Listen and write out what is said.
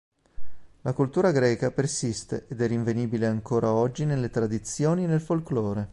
La cultura greca persiste ed è rinvenibile ancora oggi nelle tradizioni e nel folklore.